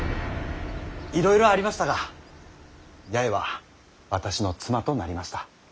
いろいろありましたが八重は私の妻となりました。